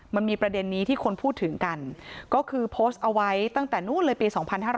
มันมีประเด็นนี้ที่คนพูดถึงกันก็คือโพสต์เอาไว้ตั้งแต่นู้นเลยปี๒๕๕๙